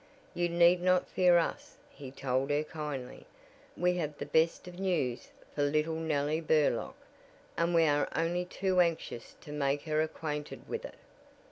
"You need not fear us," he told her kindly. "We have the best of news for little Nellie Burlock, and we are only too anxious to make her acquainted with it."